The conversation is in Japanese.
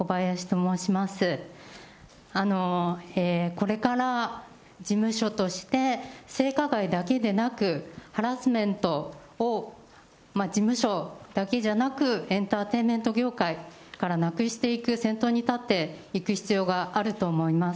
これから事務所として、性加害だけでなく、ハラスメントを事務所だけじゃなく、エンターテインメント業界からなくしていく先頭に立っていく必要があると思います。